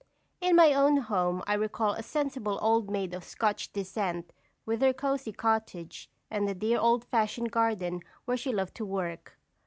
In my own home I recall a sensible old maid of Scotch descent with her cosey cottage and the dear old fashioned garden where she loved to work.